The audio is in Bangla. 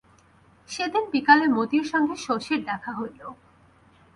সেদিন বিকালে মতির সঙ্গে শশীর দেখা হইল।